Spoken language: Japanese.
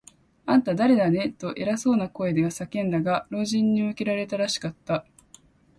「あんた、だれだね？」と、偉そうな声が叫んだが、老人に向けられたらしかった。